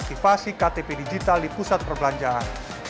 ketika anda mengaktifasi ktp digital di pusat perbelanjaan